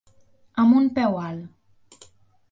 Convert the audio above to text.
Amb un peu alt.